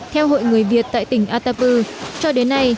theo hội người việt tại tỉnh atapu cho đến nay